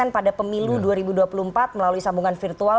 pada pemilu dua ribu dua puluh empat melalui sambungan virtual